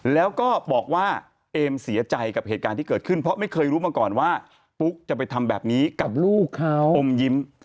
แล้วก็บอกว่าเอมเสียใจกับเหตุการณ์ที่เกิดขึ้นเพราะไม่เคยรู้มาก่อนว่าปุ๊กจะไปทำแบบนี้กับลูกเขาอมยิ้ม